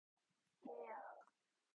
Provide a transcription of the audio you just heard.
얘야!